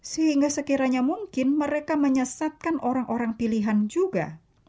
sehingga sekiranya mungkin mereka menyesatkan orang orang pilihan juga